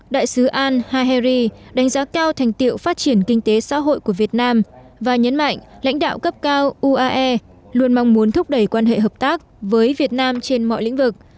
đại sứ al haheri đánh giá cao thành tiệu phát triển kinh tế xã hội của việt nam và nhấn mạnh lãnh đạo cấp cao uae luôn mong muốn thúc đẩy quan hệ hợp tác với việt nam trên mọi lĩnh vực